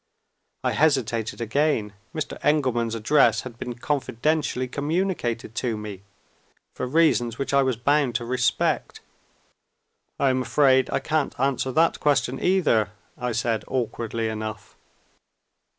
I hesitated again. Mr. Engelman's address had been confidentially communicated to me, for reasons which I was bound to respect. "I am afraid I can't answer that question either," I said awkwardly enough.